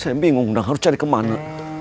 saya bingung dan harus cari kemana